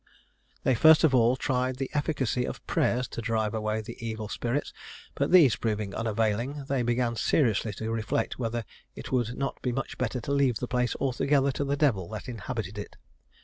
They first of all tried the efficacy of prayers to drive away the evil spirits; but these proving unavailing, they began seriously to reflect whether it would not be much better to leave the place altogether to the devil that inhabited it.